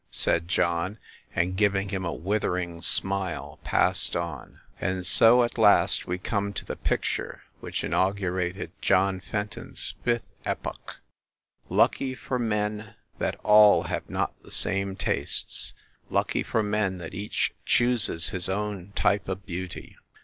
said John; and, giving him a withering smile, passed on. And so at last we come to the picture which in augurated John Fenton s fifth epoch. Lucky for men that all have not the same tastes ! Lucky for men that each chooses his own type of beauty!